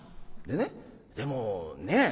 でねでもねえ